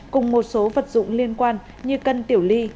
cùng một số vật dụng liên quan như cân tiểu ly